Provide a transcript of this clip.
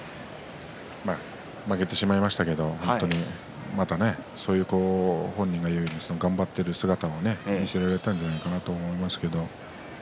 負けてしまいましたけど本当にまたね本人が言うように頑張っている姿を見せられたんじゃないかなと思いますけど。